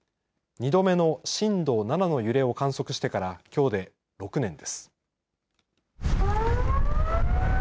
２度目の震度７の揺れを観測してからきょうで６年です。